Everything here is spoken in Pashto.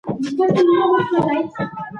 خیر محمد په ډېرې کرارۍ سره د کور په لور روان شو.